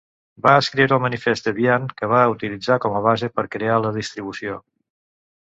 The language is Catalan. Va escriure el manifest Debian que va utilitzar com a base per crear la distribució.